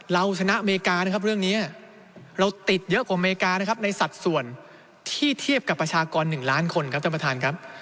เราชนะอเมริกานะครับเรื่องนี้เราติดเยอะกว่าอเมริกานะครับในสัดส่วนที่เทียบกับประชากร๑ล้านคนครับท่านประธานครับ